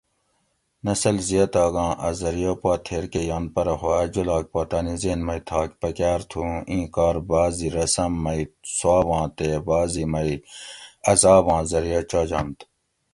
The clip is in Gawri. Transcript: نسل زیاتاگاں اۤ زریعہ پا تھیر کہ ینت پرہ خو اۤ جولاگ پا تانی ذھن مئ تھاگ پکار تھو اُوں ایں کار بعض رسم مئ ثوا باں تے بعض مئ عزاباں زریعہ چاجنت